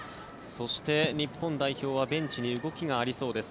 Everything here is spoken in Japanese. そして、日本代表はベンチに動きがありそうです。